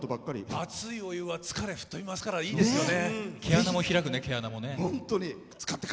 熱いお湯は疲れ吹っ飛びますからいいですね。